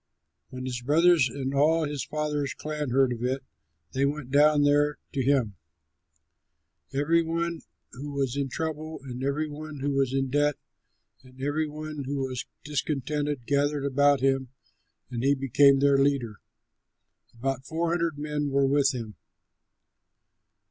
When his brothers and all his father's clan heard of it, they went down there to him. Every one who was in trouble and every one who was in debt, and every one who was discontented gathered about him, and he became their leader. About four hundred men were with him.